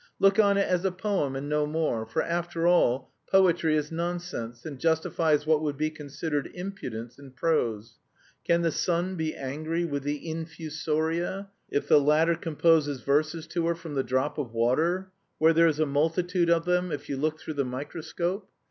Look on it as a poem and no more, for, after all, poetry is nonsense and justifies what would be considered impudence in prose. Can the sun be angry with the infusoria if the latter composes verses to her from the drop of water, where there is a multitude of them if you look through the microscope?